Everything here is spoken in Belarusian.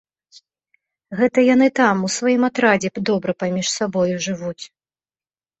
Гэта яны там у сваім атрадзе добра паміж сабою жывуць.